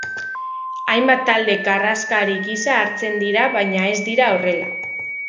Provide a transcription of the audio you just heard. Hainbat talde karraskari gisa hartzen dira baina ez dira horrela.